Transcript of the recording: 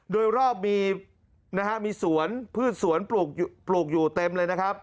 โดยรอบมีสวนพืชสวนปลูกอยู่เต็มเลยนะครับ